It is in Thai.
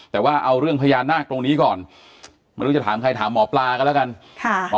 สวัสดีครับหมอปลาครับ